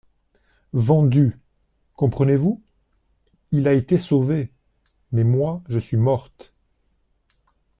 Vendus ! comprenez-vous ? il a été sauvé ! Mais, moi, je suis morte.